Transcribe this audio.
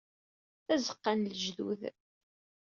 Tazeqqa n lejdud.